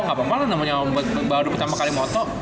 gapapa lah namanya baru pertama kali moto